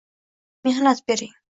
Mehnat bering